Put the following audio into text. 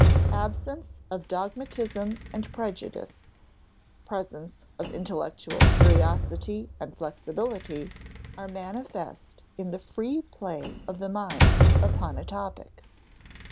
Absence of dogmatism and prejudice, presence of intellectual curiosity and flexibility, are manifest in the free play of the mind upon a topic.